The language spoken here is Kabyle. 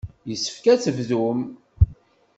Yessefk ad tebdum.